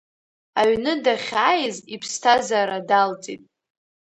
Аҩны дахьааиз иԥсҭазара далҵит…